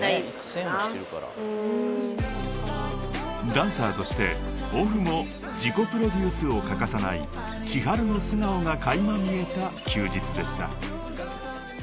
［ダンサーとしてオフも自己プロデュースを欠かさないｃｈｉｈａｒｕの素顔が垣間見えた休日でした］